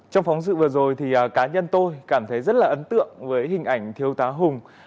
trong phóng sự vừa rồi thì cá nhân tôi cảm thấy rất là ấn tượng với hình ảnh thiếu tá hùng